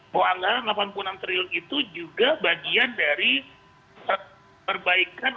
bahwa anggaran rp delapan puluh enam triliun itu juga bagian dari perbaikan